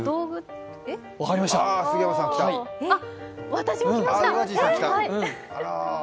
私も来ました。